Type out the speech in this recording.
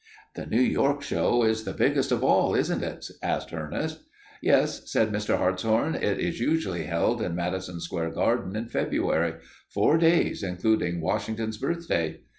"The New York show is the biggest of all, isn't it?" asked Ernest. "Yes," said Mr. Hartshorn. "It is usually held in Madison Square Garden in February four days including Washington's Birthday.